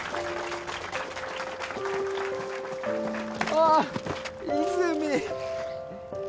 ああ泉実